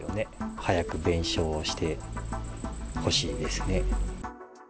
早く弁償してほしいですね。